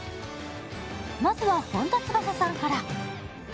まずは本田翼さんから。